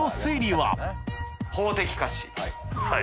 はい。